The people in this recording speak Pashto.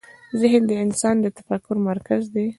ذهن د انسان د تفکر مرکز دی.